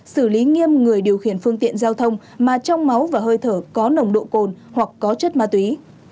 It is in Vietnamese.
xử lý nghiêm người điều khiển phương tiện giao thông mà trong máu và hơi thở có nồng độ cồn hoặc có chất ma túy